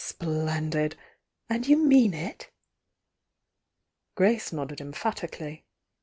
— Splendid! And you mean it?" Grace nodded emphatically.